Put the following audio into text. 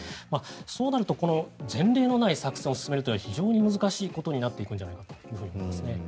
そうなると前例のない作戦を進めるというのは非常に難しいことになっていくんじゃないかと思いますね。